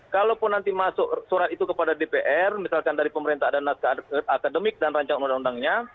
kalau pun nanti masuk surat itu kepada dpr misalkan dari pemerintah dan akademik dan rancang undang undangnya